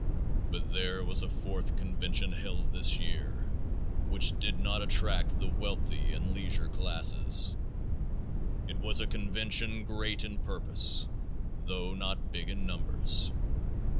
But there was a fourth convention held this year which did not attract the wealthy and leisure classes. It was a convention great in purpose, though not big in numbers.